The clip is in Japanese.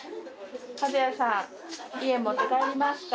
和也さん家持って帰りますか？